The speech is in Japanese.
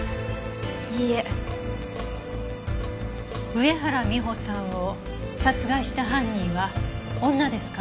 上原美帆さんを殺害した犯人は女ですか。